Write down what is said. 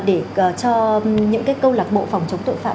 để cho những cái câu lạc bộ phòng chống tội phạm